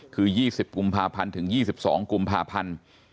คือ๒๐กุมภาพันธ์ถึง๒๒กุมภาพันธ์